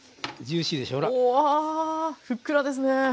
ふっくらですね。